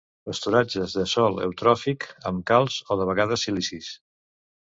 Pasturatges de sòl eutròfic amb calç o de vegades silicis.